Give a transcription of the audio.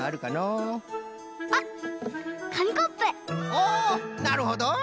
おおなるほど！